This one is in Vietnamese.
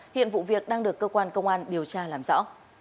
hiện vụ việc đang được cơ quan công an điều tra làm rõ